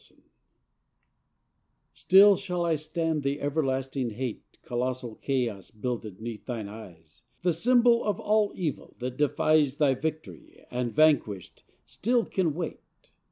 SATAN Still shall I stand the everlasting hate Colossal Chaos builded 'neath thine eyes, The symbol of all evil, that defies Thy victory, and, vanquished, still can wait.